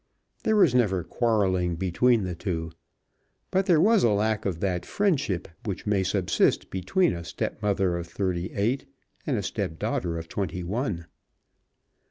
There was never quarrelling between the two, but there was a lack of that friendship which may subsist between a stepmother of thirty eight and a stepdaughter of twenty one.